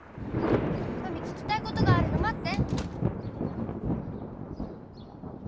まみ聞きたいことがあるの待って。